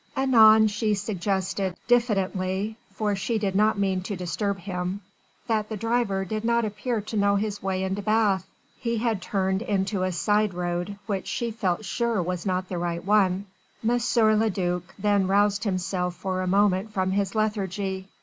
Anon she suggested diffidently, for she did not mean to disturb him that the driver did not appear to know his way into Bath, he had turned into a side road which she felt sure was not the right one. M. le duc then roused himself for a moment from his lethargy.